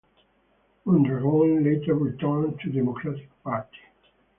Mondragon later returned to the Democratic Party.